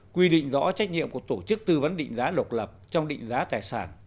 quy định rõ trách nhiệm của tổ chức tư vấn định giá độc lập trong định giá tài sản